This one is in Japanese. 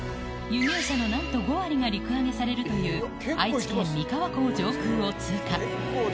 輸入車のなんと５割が陸揚げされるという愛知県三河港上空を通過。